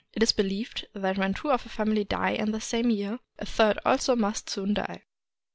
It is believed that when two of a family die in the same year, a third also must soon die.